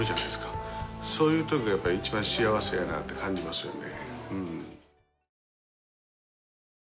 そういう時がやっぱり一番幸せやなって感じますよね。